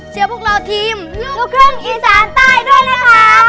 เชื่อพวกเราทีมลูกเรื่องอีสานใต้ด้วยเลยค่ะ